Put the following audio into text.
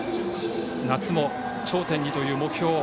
夏も頂点にという目標。